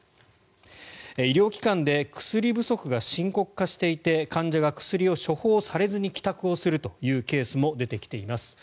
医療機関で薬不足が深刻化していて患者が薬を処方されずに帰宅をするというケースも出てきています。